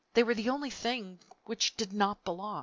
They were the only thing which did not belong!